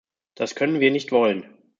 Das können wir nicht wollen!